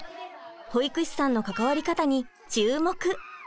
保育士さんの関わり方に注目！